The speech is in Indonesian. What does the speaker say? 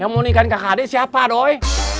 yang mau nikahin kakak adik siapa doi